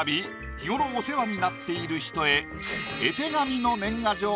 日頃お世話になっている人へ。